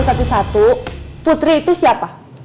satu satu putri itu siapa